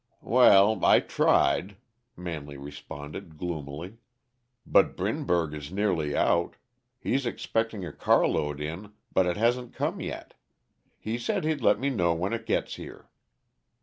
"Well, I tried," Manley responded gloomily. "But Brinberg is nearly out. He's expecting a carload in, but it hasn't come yet. He said he'd let me know when it gets here."